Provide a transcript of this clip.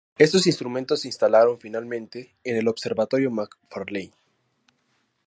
Estos instrumentos se instalaron finalmente en el Observatorio Macfarlane.